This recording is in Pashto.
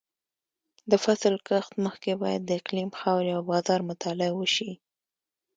د فصل کښت مخکې باید د اقلیم، خاورې او بازار مطالعه وشي.